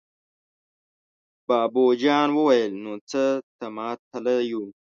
بابو جان وويل: نو څه ته ماتله يو!